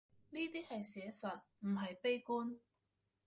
呢啲係寫實，唔係悲觀